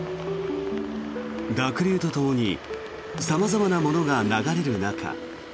濁流とともに様々なものが流れる中。